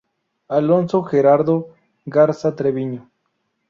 Alonso Gerardo Garza Treviño.